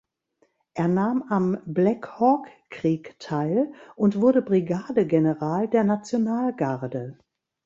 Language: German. Er nahm am Black-Hawk-Krieg teil und wurde Brigadegeneral der Nationalgarde.